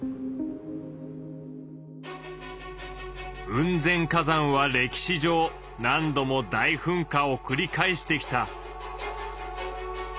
雲仙火山は歴史上何度も大噴火をくり返してきた。